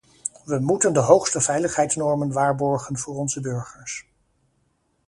We moeten de hoogste veiligheidsnormen waarborgen voor onze burgers.